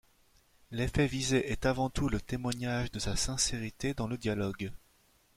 L'effet visé est avant tout le témoignage de sa sincérité dans le dialogue.